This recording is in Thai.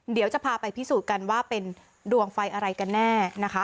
เดี๋ยวจะพาไปพิสูจน์กันว่าเป็นดวงไฟอะไรกันแน่นะคะ